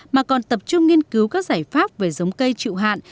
mà còn tập trung nghiên cứu các giải pháp về giống cây trựu hạt